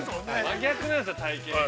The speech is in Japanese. ◆真逆なんですよ、体型が。